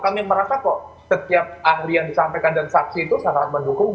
kami merasa kok setiap ahli yang disampaikan dan saksi itu sangat mendukung